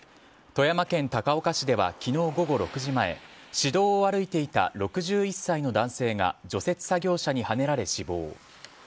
富山県高岡市では昨日午後６時前市道を歩いていた６１歳の男性が除雪作業車にはねられ死亡。